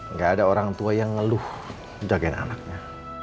nggak ada orang tua yang ngeluh jagain anaknya